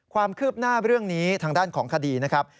ความคืบหน้าเรื่องนี้ทางด้านของคดีนะครับ